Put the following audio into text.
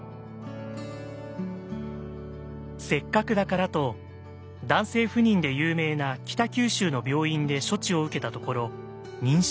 せっかくだからと男性不妊で有名な北九州の病院で処置を受けたところ妊娠。